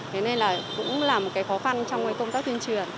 thế nên là cũng là một cái khó khăn trong công tác tuyên truyền